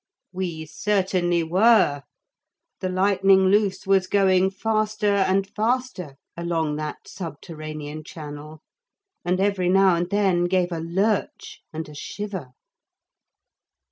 We certainly were. The Lightning Loose was going faster and faster along that subterranean channel, and every now and then gave a lurch and a shiver.